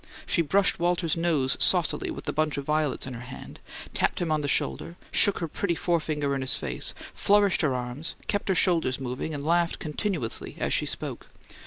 She brushed Walter's nose saucily with the bunch of violets in her hand, tapped him on the shoulder, shook her pretty forefinger in his face, flourished her arms, kept her shoulders moving, and laughed continuously as she spoke.